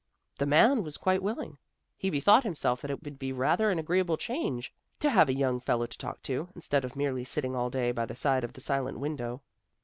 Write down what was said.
The man was quite willing; he bethought himself that it would be rather an agreeable change to have a young fellow to talk to, instead of merely sitting all day by the side of the silent widow.